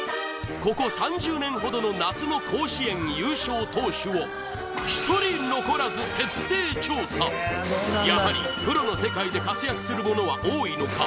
ここ３０年ほどの夏の甲子園優勝投手をやはりプロの世界で活躍する者は多いのか？